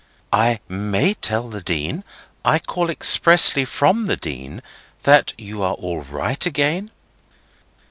"I may tell the Dean—I call expressly from the Dean—that you are all right again?"